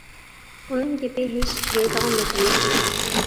ئۇنىڭ گېپى ھېچ تۈگەيدىغاندەك ئەمەس ئىدى.